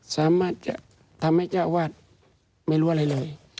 สามารถจะทำให้เจ้าอาวาสไม่รู้อะไรเลย